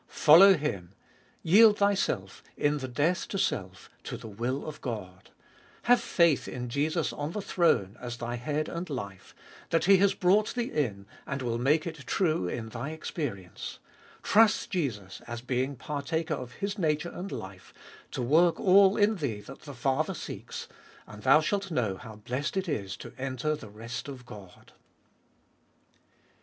Follow Him. Yield thyself, in the death to self, to the will of God ; have faith in Jesus on the throne, as thy Head and life, that He has brought thee in and will make it true in thy experience ; trust Jesus, as being partaker of His nature and life, to work all in thee that the Father seeks ; and thou shalt know how blessed it is to enter the rest of God.